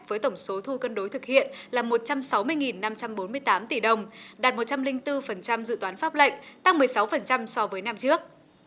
với tổng số thu cân đối thực hiện là một trăm sáu mươi năm trăm bốn mươi tám tỷ đồng đạt một trăm linh bốn dự toán pháp lệnh tăng một mươi sáu so với năm trước